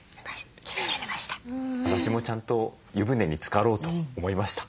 私もちゃんと湯船につかろうと思いました。